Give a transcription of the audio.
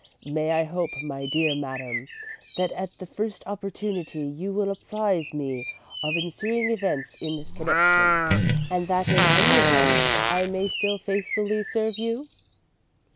May I hope, my dear madam, that at the first opportunity you will apprise me of ensuing events in this connection, and that in any event I may still faithfully serve you?